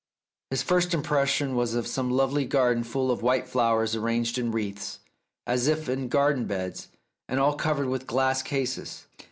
His first impression was of some lovely garden full of white flowers arranged in wreaths, as if in garden beds, and all covered with glass cases.